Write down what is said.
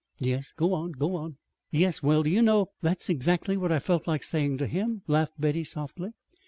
"Yes, go on, go on!" "Yes; well, do you know? that's exactly what I felt like saying to him," laughed Betty softly.